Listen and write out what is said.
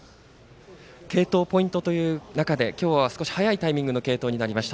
継投ポイントという中で今日は早いタイミングの継投でした。